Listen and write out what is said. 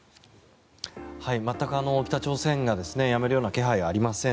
全く北朝鮮がやめるような気配はありません。